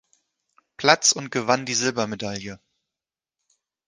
Platz und gewann die Silbermedaille.